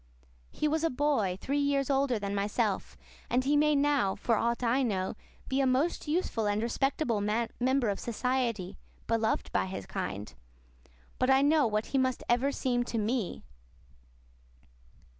He was a boy, three years older than myself; and he may now, for aught I know, be a most useful and respectable member of society, beloved by his kind. But I know what he must ever seem to me!